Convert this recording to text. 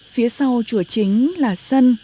phía sau chùa chính là sân